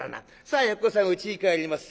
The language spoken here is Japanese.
さあやっこさんうちに帰ります。